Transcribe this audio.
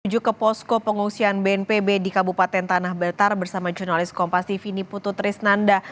jujur ke posko pengungsian bnpb di kabupaten tanah betar bersama jurnalis kompas tv putu trisnanda